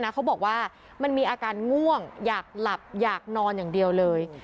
เขาบอกว่ามันมีอาการง่วงอยากหลับอยากนอนอย่างเดียวเลย